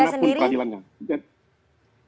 tapi posisinya ibu mega sendiri